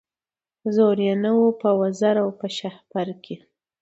زور یې نه وو په وزر او په شهپر کي